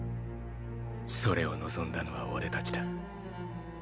それを望んだのは俺たちだ。